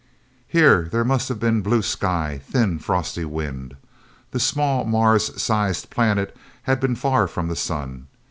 Here, there must have been blue sky, thin, frosty wind. The small, Mars sized planet had been far from the sun.